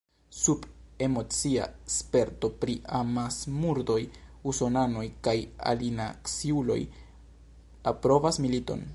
Sub emocia sperto pri amasmurdoj usonanoj kaj alinaciuloj aprobas militon.